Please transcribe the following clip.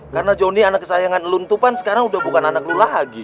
karena jonny anak kesayangan lu itu kan sekarang udah bukan anak lu lagi